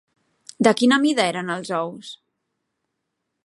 De quina mida eren els ous?